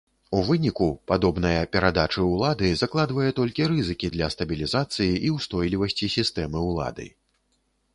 У выніку, падобная перадачы ўлады закладывае толькі рызыкі для стабілізацыі і ўстойлівасці сістэмы ўлады.